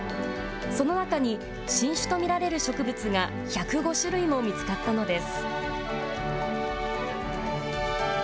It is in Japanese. その中に、新種と見られる植物が１０５種類も見つかったのです。